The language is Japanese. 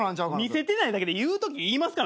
見せてないだけで言うとき言いますからね。